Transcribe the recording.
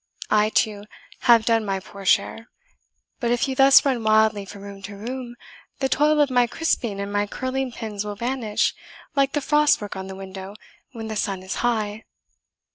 I, too, have done my poor share. But if you thus run wildly from room to room, the toil of my crisping and my curling pins will vanish like the frost work on the window when the sun is high."